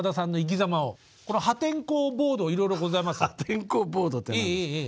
破天荒ボードって何ですか？